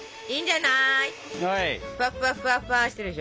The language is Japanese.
いいんじゃない。